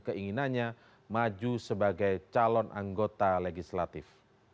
keinginannya maju sebagai calon anggota legislatif